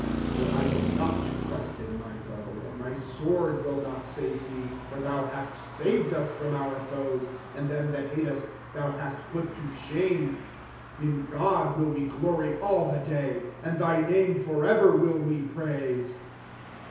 * For I will not trust in my bow ; And my sword will not save me. "^ For thon hast saved us from our foes. And them that hate us thou hast put to shame. ^ In God will we glory all the day, And thy name forever will we praise.